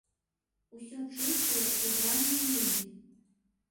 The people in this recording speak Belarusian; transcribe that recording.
Усё чыстыя, прыбраныя людзі.